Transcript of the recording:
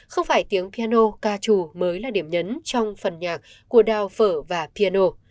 không phải tiếng piano ca trù mới là điểm nhấn trong phần nhạc của đào phở và piano